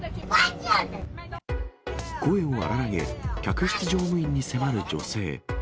声を荒らげ、客室乗務員に迫る女性。